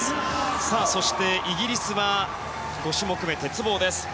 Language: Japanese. そして、イギリスは５種目め、鉄棒です。